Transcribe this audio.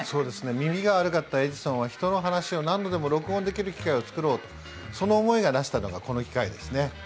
耳が悪かったエジソンは人の話を何度でも録音できる機械を作ろうと、その思いが成せたのがこの機械ですね。